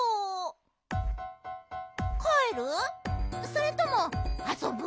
それともあそぶ？